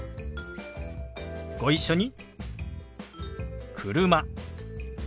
ご一緒に。